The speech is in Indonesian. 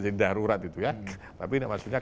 jadi darurat itu ya tapi ini maksudnya